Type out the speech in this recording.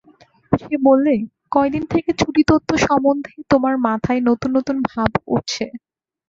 সে বললে, কয়দিন থেকে ছুটিতত্ত্ব সম্বন্ধে তোমার মাথায় নতুন নতুন ভাব উঠছে।